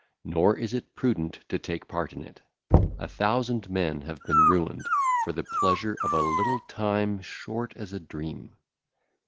Nor is it prudent to take part in it; a thousand men have been ruined for the pleasure of a little time short as a dream.